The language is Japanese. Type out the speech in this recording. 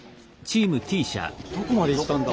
どこまでいったんだ？